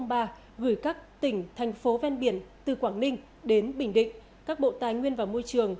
gửi các tỉnh thành phố ven biển từ quảng ninh đến bình định các bộ tài nguyên và môi trường